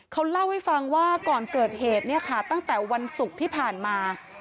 เขาเล่าให้ฟังว่าก่อนเกิดเหตุเนี่ยค่ะตั้งแต่วันศุกร์ที่ผ่านมา